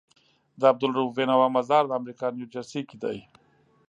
د عبدالروف بينوا مزار دامريکا نيوجرسي کي دی